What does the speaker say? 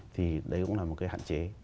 thì đấy cũng là một cái hạn chế